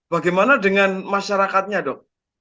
bagaimana dengan masyarakatnya dok